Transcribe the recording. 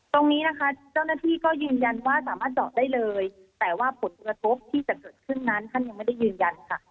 ตรงนี้นะคะเจ้าหน้าที่ก็ยืนยันว่าสามารถเจาะได้เลยแต่ว่าผลกระทบที่จะเกิดขึ้นนั้นท่านยังไม่ได้ยืนยันค่ะ